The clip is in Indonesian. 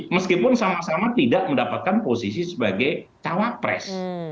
meskipun sama sama tidak mendapatkan posisi sebagai cawapres